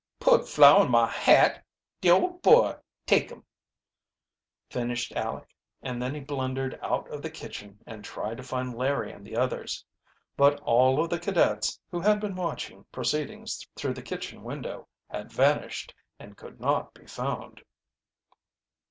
"Put flour in ma hat, de ole boy take 'em!" finished Aleck, and then he blundered out of the kitchen and tried to find Larry and the others. But all of the cadets, who had been watching proceedings through the kitchen window, had vanished and could not be found.